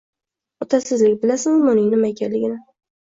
Otasizlik, bilasizmi uning nima ekanligin?